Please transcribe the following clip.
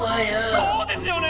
そうですよね！